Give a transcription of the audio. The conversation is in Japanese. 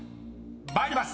［参ります。